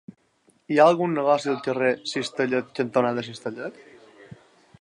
Hi ha algun negoci al carrer Cistellet cantonada Cistellet?